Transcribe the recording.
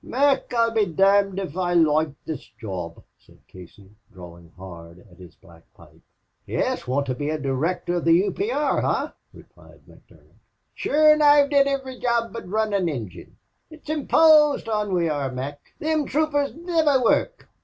"Mac, I'll be domned if I loike this job," said Casey, drawing hard at his black pipe. "Yez want to be a directhor of the U. P. R., huh?" replied McDermott. "Shure an' I've did ivery job but run an ingine.... It's imposed on we are, Mac. Thim troopers niver work.